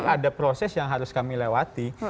ada proses yang harus kami lewati